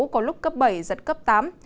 có lúc cấp bảy giật cấp tám